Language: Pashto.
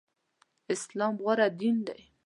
اسلام غوره دين دی.